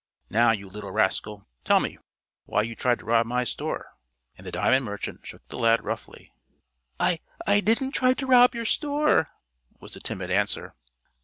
Now, you little rascal, tell me why you tried to rob my store?" and the diamond merchant shook the lad roughly. "I I didn't try to rob your store," was the timid answer.